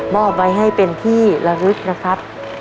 อบไว้ให้เป็นที่ระลึกนะครับ